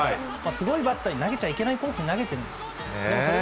すごいバッターに投げちゃいけないコースに投げてるんです。